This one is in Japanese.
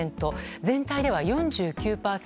全体では４９％。